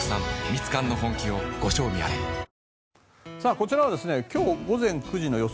こちらは今日午前９時の予想